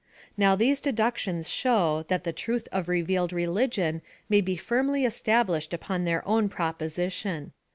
Now these deductions show that the truth of revealed religion may be finnly established upon their own proposition.